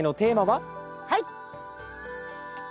はい！